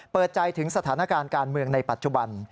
เปิดใจถึงสถานการณ์การเมืองในปัจจุบัน